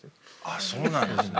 あっそうなんですね。